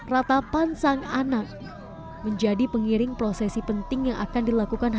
ratapan sang anak menjadi pengiring prosesi penting yang akan dilakukan